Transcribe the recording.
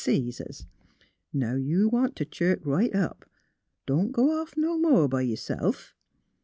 199 sees us. Now, you want t' chirk right up. Don't go off no more b' yourself.